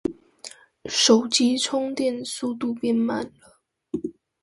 手機充電速度變慢了